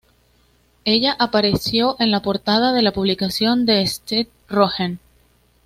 Ella apareció en la portada de la publicación con Seth Rogen.